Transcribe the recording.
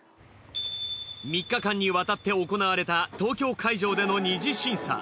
３日間にわたって行われた東京会場での二次審査。